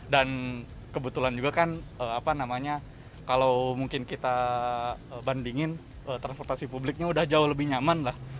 dan kebetulan juga kan kalau mungkin kita bandingin transportasi publiknya udah jauh lebih nyaman lah